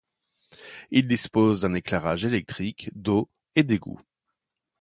Il dispose d'un éclairage électrique, d'eau et d'égout.